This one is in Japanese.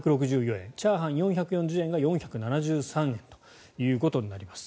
チャーハン４４０円が４７３円となります。